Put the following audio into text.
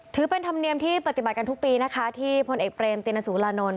ถือเป็นธรรมเนียมที่ปฏิบัติกันทุกปีนะคะที่พลเอกเปรมตินสุรานนท์